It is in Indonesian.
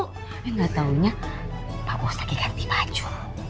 tapi gak tahunya pak bos lagi ganti baju